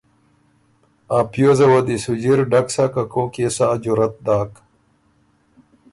ا پیوزه وه دی سُو جِر ډک سَۀ که کوک يې سا جرأت داک۔